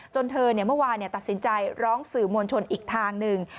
จนเธอเนี่ยเมื่อวานเนี่ยตัดสินใจร้องสื่อมวลชนอีกทางหนึ่ง